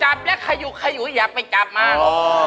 จับแล้วขยุกขยุอยากไปจับมา